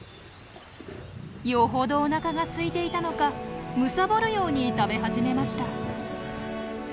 よほどおなかがすいていたのかむさぼるように食べ始めました。